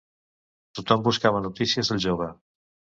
Tothom buscava notícies del jove.